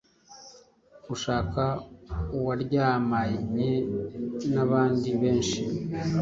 Gushaka uwaryamanye n’abandi benshi